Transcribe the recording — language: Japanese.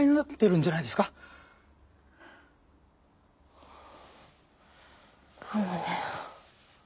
かもね。